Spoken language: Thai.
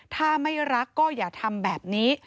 ถ้าไม่รักก็อย่าทำแบบนี้